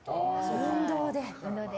運動で。